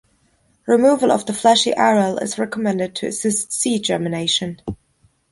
Removal of the fleshy aril is recommended to assist seed germination.